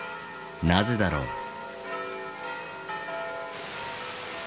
なぜだろう？